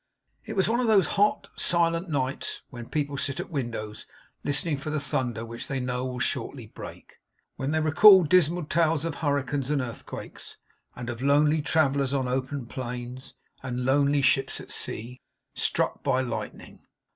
It was one of those hot, silent nights, when people sit at windows listening for the thunder which they know will shortly break; when they recall dismal tales of hurricanes and earthquakes; and of lonely travellers on open plains, and lonely ships at sea, struck by lightning.